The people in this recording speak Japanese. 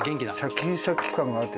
シャキシャキ感があって。